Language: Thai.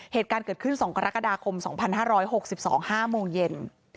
เหตุการณ์เกิดขึ้น๒กรกฎาคม๒๕๖๒๕โมงเย็น